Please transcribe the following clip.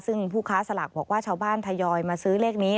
ซึ่งผู้ค้าสลากบอกว่าชาวบ้านทยอยมาซื้อเลขนี้